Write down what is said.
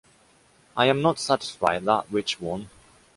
I am not satisfied that which one.